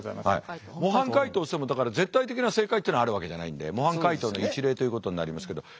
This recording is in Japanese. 模範解答っていってもだから絶対的な正解っていうのがあるわけじゃないんで模範解答の一例ということになりますけどちょっと見ていただいて。